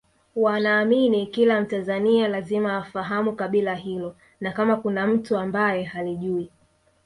wanaamini kila mtanzania lazima afahamu kabila hilo na kama kuna mtu ambaye halijui